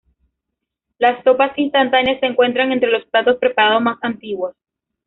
Las sopas instantáneas se encuentran entre los platos preparados más antiguos.